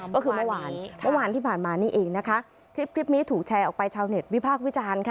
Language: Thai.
ก็คือเมื่อวานเมื่อวานที่ผ่านมานี่เองนะคะคลิปนี้ถูกแชร์ออกไปชาวเน็ตวิพากษ์วิจารณ์ค่ะ